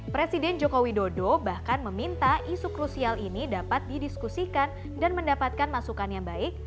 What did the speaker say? presiden jokowi dodo bahkan meminta isu krusial ini dapat didiskusikan dan mendapatkan masukan yang baik